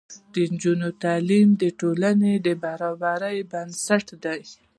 د نجونو تعلیم د ټولنې برابرۍ بنسټ دی.